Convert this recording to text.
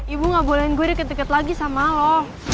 ibu gak bolehin gue deket deket lagi sama lo